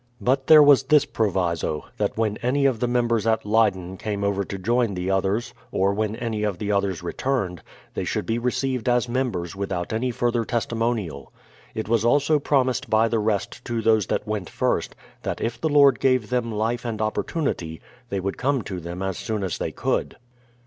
But there was this proviso: that when any of the members at Leyden 35 36 BRADFORD'S HISTORY OF came over to join the others, or when any of the others returned, they should be received as members without any further testimonial. It was also promised by the rest to those that went first, that if the Lord gave them life and opportunity, they would come to them as soon as they could.